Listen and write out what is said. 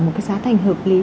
một cái giá thành hợp lý